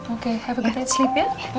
oke selamat tidur ya